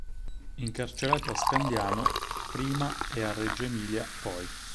Incarcerato a Scandiano prima e a Reggio Emilia poi.